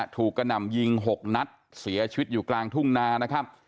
กระหน่ำยิง๖นัดเสียชีวิตอยู่กลางทุ่งนานะครับ